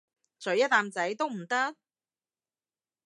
咀一啖仔都唔得？